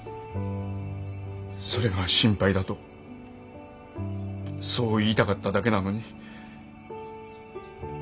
それが心配だとそう言いたかっただけなのに。